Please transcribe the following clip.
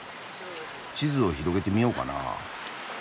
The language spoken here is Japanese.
地図を広げてみようかな。